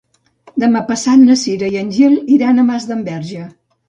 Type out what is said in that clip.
Demà passat na Cira i en Gil iran a Masdenverge.